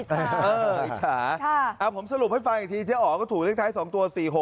อิจฉาผมสรุปให้ฟังอีกทีเจ๊อ๋อก็ถูกเลขท้าย๒ตัว๔๖